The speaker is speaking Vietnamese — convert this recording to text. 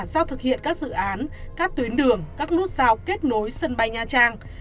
giao thực hiện các dự án các tuyến đường các nút giao kết nối sân bay nha trang